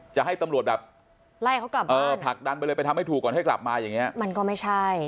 จะให้ต่ำรวจแบบระยะเข้ากลับบ้านพักดันไปเลยทำให้ถูกก่อนให้กลับมามันก็ไม่ใช่